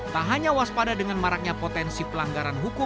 tak hanya waspada dengan maraknya potensi pelanggaran hukum